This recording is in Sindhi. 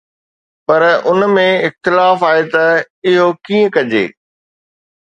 پر ان ۾ اختلاف آهي ته اهو ڪيئن ڪجي